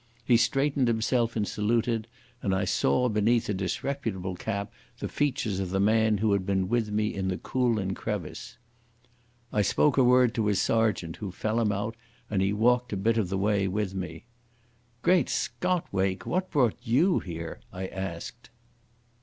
He straightened himself and saluted, and I saw beneath a disreputable cap the features of the man who had been with me in the Coolin crevice. I spoke a word to his sergeant, who fell him out, and he walked a bit of the way with me. "Great Scot, Wake, what brought you here?" I asked.